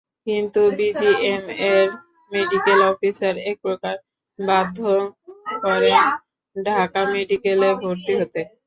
কিন্তু বিজিএমইএর medical officer একপ্রকার বাধ্য করেন ঢাকা মেডিকেলে ভর্তি হতে।